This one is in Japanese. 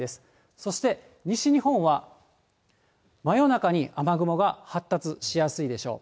そして西日本は、真夜中に雨雲が発達しやすいでしょう。